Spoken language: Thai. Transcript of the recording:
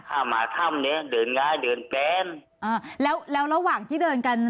เข้ามาถ้ำเนี้ยเดินง่ายเดินแป้นอ่าแล้วแล้วระหว่างที่เดินกัน